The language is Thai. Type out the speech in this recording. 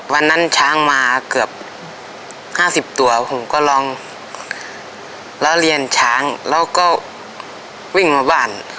วันนั้นช้างมาเกือบห้าสิบตัวผมก็ลองแล้วเรียนช้างแล้วก็วิ่งมาบ้าน